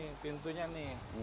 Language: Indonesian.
oh ini pintunya nih